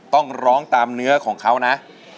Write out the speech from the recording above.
ต้องร้องตามเนื้อของเขานะ